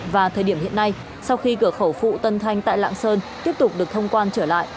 và thời điểm hiện nay sau khi cửa khẩu phụ tân thanh tại lạng sơn tiếp tục được thông quan trở lại